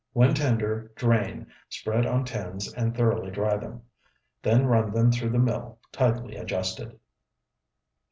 When tender, drain, spread on tins, and thoroughly dry them. Then run them through the mill tightly adjusted.